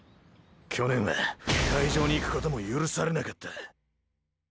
去年は会場に行くことも許されなかった。